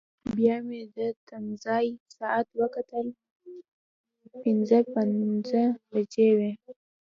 بیا مې د تمځای ساعت وکتل، پنځه پنځه بجې وې.